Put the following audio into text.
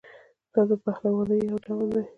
دا د پهلوانۍ یو ډول دی.